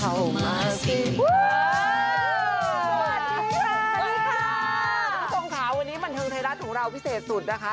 วันนี้หมดมีค่ะต้องต้องขาววันนี้บันทึงไทยรักษณ์ของเราพิเศษสุดนะคะ